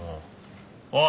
おい！